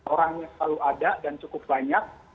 orangnya selalu ada dan cukup banyak